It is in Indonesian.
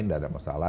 nggak ada masalah